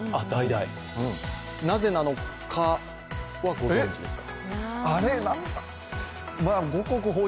なぜなのかはご存じですか？